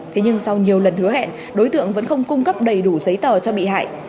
thế nhưng sau nhiều lần hứa hẹn đối tượng vẫn không cung cấp đầy đủ giấy tờ cho bị hại